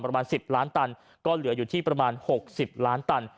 ประมาณ๑๐ล้านตันก็เหลืออยู่ที่ประมาณ๖๐ล้านตัน